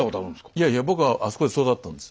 いやいや僕はあそこで育ったんです。